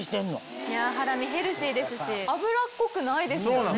ハラミヘルシーですし脂っこくないですよね。